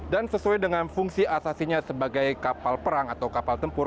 dan sesuai dengan fungsi asasinya sebagai kapal perang atau kapal tempur